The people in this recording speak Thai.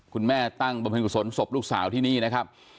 คุณแม่ตั้งประเภทสนศพลูกสาวที่นี่นะครับ